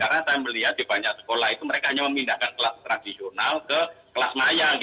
karena saya melihat di banyak sekolah itu mereka hanya memindahkan kelas tradisional ke kelas maya